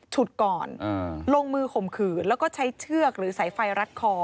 ก่อนลงมือข่มขืนแล้วก็ใช้เชือกหรือสายไฟรัดคอ